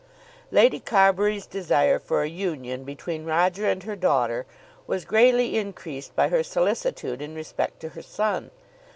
Lady Carbury's desire for a union between Roger and her daughter was greatly increased by her solicitude in respect to her son.